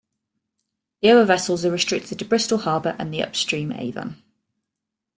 The other vessels are restricted to Bristol Harbour and the upstream Avon.